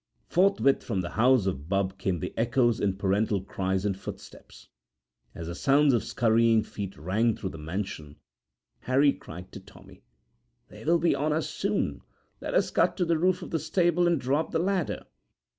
Forthwith from the house of Bubb came the echoes in parental cries and footsteps. As the sounds of scurrying feet rang through the mansion, Harry cried to Tommy: 'They will be on us soon. Let us cut to the roof of the stable and draw up the ladder.'